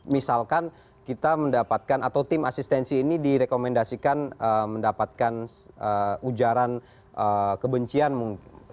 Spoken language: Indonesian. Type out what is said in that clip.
misalkan kita mendapatkan atau tim asistensi ini direkomendasikan mendapatkan ujaran kebencian mungkin